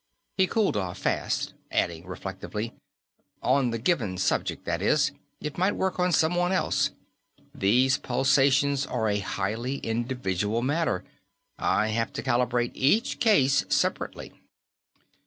He cooled off fast, adding reflectively: "On the given subject, that is. It might work on someone else. These pulsations are a highly individual matter; I have to calibrate every case separately."